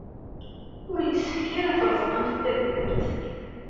Ur yessefk ara ad treẓmemt tawwurt.